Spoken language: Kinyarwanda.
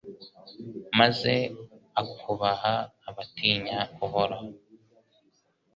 maze akubaha abatinya Uhoraho